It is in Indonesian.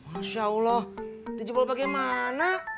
masya allah dijebol bagaimana